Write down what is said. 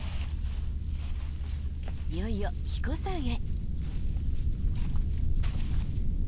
いよいよ英彦山へ。